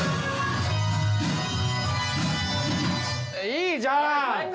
いいじゃん！